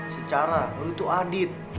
secara lo tuh adit